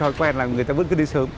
thói quen là người ta vẫn cứ đến sớm